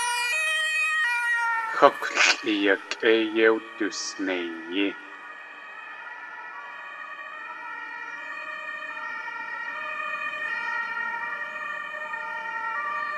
Xákwlʼi yakʼéi yéi wdusneiyí.